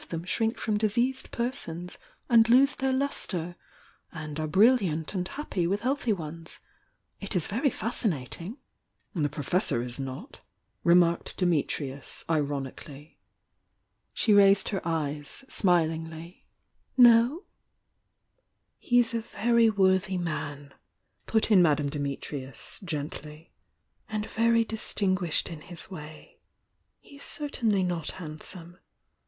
S i m\ 228 THE YOUNG DIANA them shrink from diseased persons and lose their K and are brilliant and happy with healthy ones. It is very fascmatmg! t^. ;.•„,:,„_. "The Professor is not!" remarked Dimitrws, iron ically. ..., She raised her eyes, smilingly. ■'He'sa very worthy man," put in Madame Dim itrius, gently. "And very distinguished in his way. He's certainly not handsome."